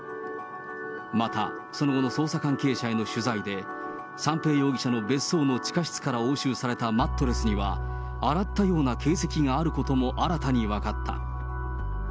また、その後の捜査関係者への取材で、三瓶容疑者の別荘の地下室から押収されたマットレスには、洗ったような形跡があることも新たに分かった。